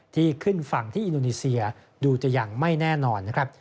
ที่ขึ้นฝั่งที่อินโดนีเซียดูจะยังไม่แน่นอนนะครับ